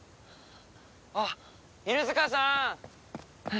あっ犬塚さーん！